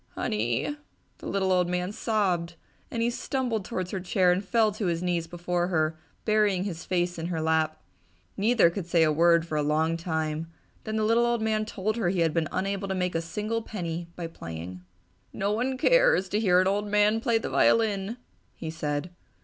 "Honey!" the little old man sobbed, as he stumbled towards her chair and fell to his knees before her, burying his face in her lap. Neither could say a word for a long time, then the little old man told her he had been unable to make a single penny by playing. "No one cares to hear an old man play the violin!" he said.